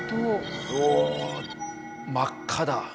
うお真っ赤だ！